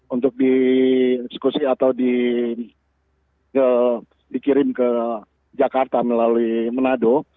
untuk dikirim ke jakarta melalui menado